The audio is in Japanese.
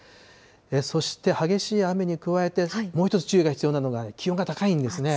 そして激しい雨に加えてもう一つ、注意が必要なのが、気温が高いん暑さ。